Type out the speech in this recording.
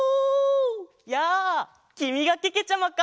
やあきみがけけちゃまか！